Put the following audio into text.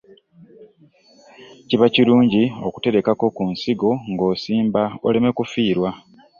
Kiba kirungi okuterekako ku nsigo ng'osimba, oleme kufiirwa.